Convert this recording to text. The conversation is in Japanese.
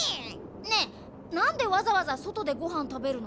ねえなんでわざわざそとでごはんたべるの？